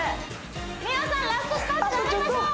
皆さんラストスパート頑張りましょう！